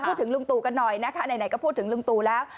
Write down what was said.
พูดถึงลึงตุกันหน่อยแต่ไหนก็พูดถึงลึงตุแล้ว